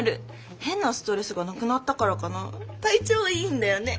変なストレスがなくなったからかな体調いいんだよね。